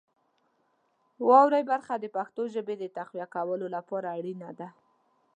واورئ برخه د پښتو ژبې د تقویه کولو لپاره اړینه ده.